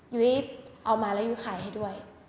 ยุ้ยเอามาแล้วยุ้ยขายให้ด้วย